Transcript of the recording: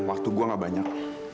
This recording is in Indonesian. waktu gue gak banyak